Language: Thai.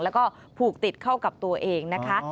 แล้วก็ผูกติดเข้ากับตัวเองนะคะ